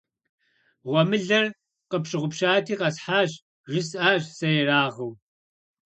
- Гъуэмылэр къыпщыгъупщати къэсхьащ! - жысӀащ сэ ерагъыу.